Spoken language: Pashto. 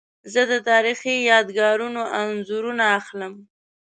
زه د تاریخي یادګارونو انځورونه اخلم.